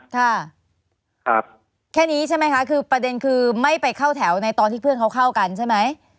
ค่ะแค่นี้ใช่ไหมคะคือประเด็นคือไม่ไปเข้าแถวในตอนที่เพื่อนเขาเข้ากันใช่ไหม